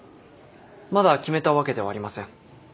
まだ決めたわけではありません。